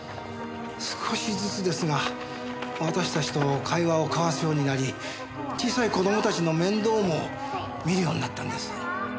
少しずつですが私たちと会話を交わすようになり小さい子供たちの面倒も見るようになったんです。